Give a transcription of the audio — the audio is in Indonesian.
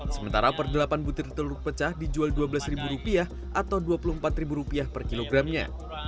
sementara per delapan butir telur pecah dijual dua belas rupiah atau dua puluh empat rupiah per kilogramnya